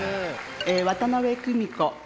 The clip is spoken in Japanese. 渡辺久美子